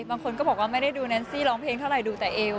บางคนก็บอกว่าไม่ได้ดูแนนซี่ร้องเพลงเท่าไหร่ดูแต่เอว